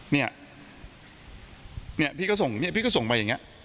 เนี่ยเนี่ยพี่ก็ส่งเนี่ยพี่ก็ส่งไปอย่างนี้